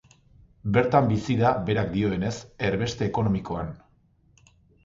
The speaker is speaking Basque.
Bertan bizi da, berak dioenez, erbeste ekonomikoan.